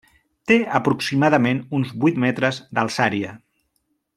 Té aproximadament uns vuit metres d'alçària.